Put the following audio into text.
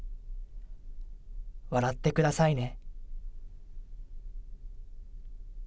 笑ってくださいね。